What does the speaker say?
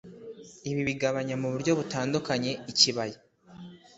ibi bigabanya mu buryo butandukanye ikibaya